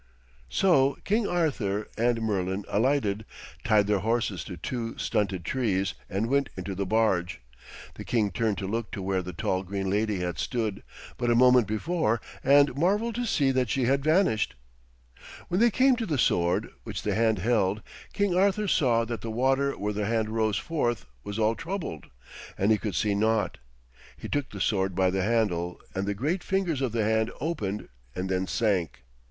So King Arthur and Merlin alighted, tied their horses to two stunted trees, and went into the barge. The king turned to look to where the tall green lady had stood but a moment before, and marvelled to see that she had vanished. When they came to the sword which the hand held, King Arthur saw that the water where the hand rose forth was all troubled, and he could see naught. He took the sword by the handle, and the great fingers of the hand opened and then sank.